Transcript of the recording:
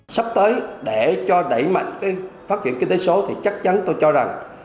sắp tới để cho đẩy mạnh cái phát triển kinh tế số thì chắc chắn tôi cho rằng